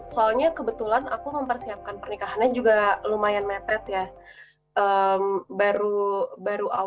soalnya kebetulan aku mempersiapkan pernikahannya juga lumayan metet ya